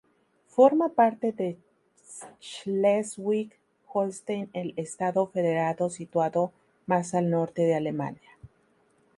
Forma parte de Schleswig-Holstein, el Estado federado situado más al norte de Alemania.